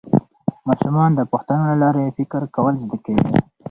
ماشومان د پوښتنو له لارې فکر کول زده کوي